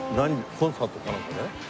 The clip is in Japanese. コンサートかなんかで？